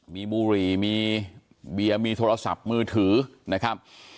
มีบุหรี่มีเบียร์มีโทรศัพท์มือถือนะครับ